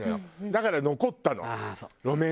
だから残ったの路面電車が。